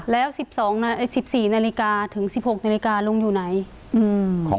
แล้ว๑๔นาฬิกาถึง๑๖นาฬิกาลุงอยู่ไหน